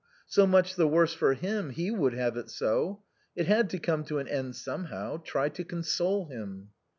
So much the worse for him, he would have it so. It had to come to an end somehow. Try to console him."